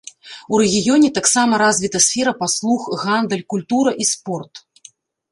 У рэгіёне таксама развіта сфера паслуг, гандаль, культура і спорт.